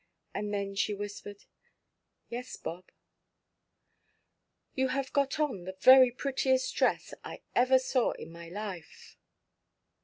And then she whispered, "Yes, Bob." "You have got on the very prettiest dress I ever saw in all my life."